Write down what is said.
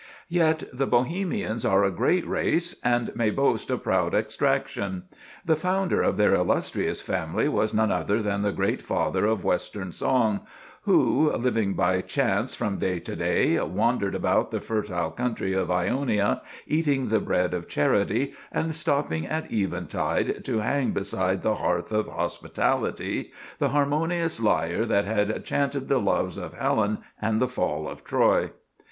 Yet the Bohemians are a great race, and may boast a proud extraction. The founder of their illustrious family was none other than the great father of Western song, who, "living by chance from day to day, wandered about the fertile country of Ionia, eating the bread of charity, and stopped at eventide to hang beside the hearth of hospitality, the harmonious lyre that had chanted the loves of Helen and the fall of Troy."